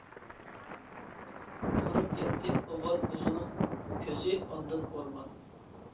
قۇرۇپ كەتتى ئاۋۋال ئۆزىنىڭ كۆزى ئاندىن ئورمان.